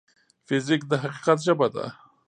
فزیک د حقیقت ژبه ده.